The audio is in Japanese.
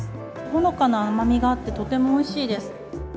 ほのかな甘みがあって、とてもおいしいです。